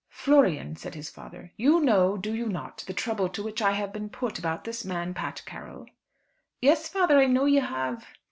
"Florian," said his father, "you know, do you not, the trouble to which I have been put about this man, Pat Carroll?" "Yes, father; I know you have."